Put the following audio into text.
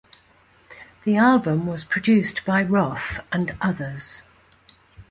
The album was Produced by Ruff and others.